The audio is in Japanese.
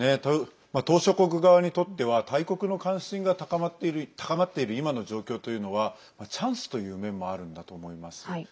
島しょ国側にとっては大国の関心が高まっている今の状況というのはチャンスという面もあるんだと思います。